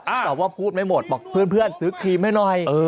แต่ว่าพูดไม่หมดบอกเพื่อนซื้อครีมให้หน่อย